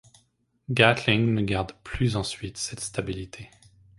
Gatling ne garde plus ensuite cette stabilité.